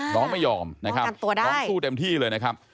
น้องไม่ยอมนะครับน้องสู้เต็มที่เลยนะครับ